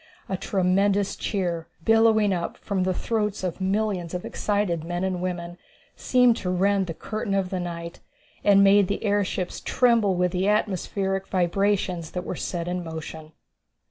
A tremendous cheer, billowing up from the throats of millions of excited men and women, seemed to rend the curtain of the night, and made the airships tremble with the atmospheric vibrations that were set in motion.